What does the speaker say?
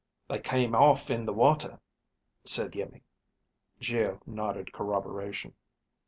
"They came off in the water," said Iimmi. Geo nodded corroboration.